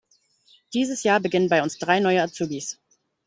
Dieses Jahr beginnen bei uns drei neue Azubis.